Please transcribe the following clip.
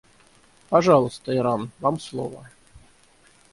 Пожалуйста, Иран, вам слово.